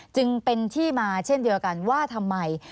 จึงเป็นที่มาเช่นเดียวกันว่าทำไม